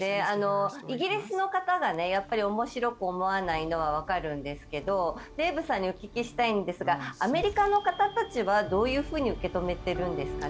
イギリスの方が面白く思わないのはわかるんですがデーブさんにお聞きしたいんですがアメリカの方たちはどういうふうに受け止めてるんですかね。